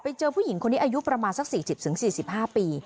เจอผู้หญิงคนนี้อายุประมาณสัก๔๐๔๕ปี